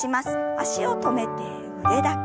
脚を止めて腕だけ。